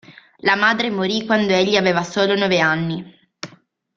La madre morì quando egli aveva solo nove anni.